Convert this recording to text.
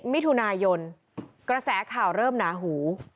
มิถุนายนกระแสข่าวเริ่มหนาหู